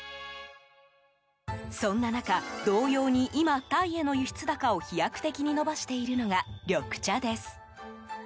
そんな中、同様に今タイへの輸出高を飛躍的に伸ばしているのが緑茶です。